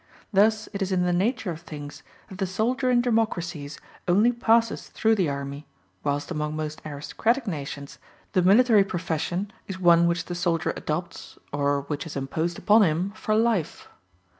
Thus it is in the nature of things that the soldier in democracies only passes through the army, whilst among most aristocratic nations the military profession is one which the soldier adopts, or which is imposed upon him, for life.